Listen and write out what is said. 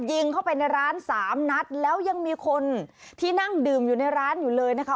ยิงเข้าไปในร้านสามนัดแล้วยังมีคนที่นั่งดื่มอยู่ในร้านอยู่เลยนะคะ